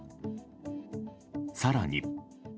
更に。